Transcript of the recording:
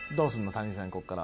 谷さんこっから。